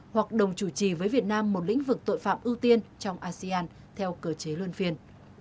hoặc đồng chủ trì với việt nam một lĩnh vực tội phạm ưu tiên trong asean theo cơ chế luân phiên